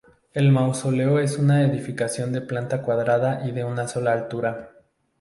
El mausoleo es una edificación de planta cuadrada y de una sola altura.